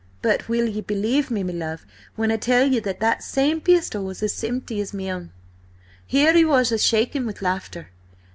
But will ye believe me, me love, when I tell you that that same pistol was as empty as–my own?" Here he was shaken with laughter.